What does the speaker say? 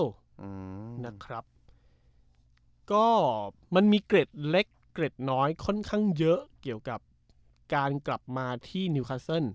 อืมนะครับก็มันมีเกร็ดเล็กเกร็ดน้อยค่อนข้างเยอะเกี่ยวกับการกลับมาที่นิวคัสเซิล